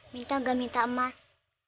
mita enggak minta emas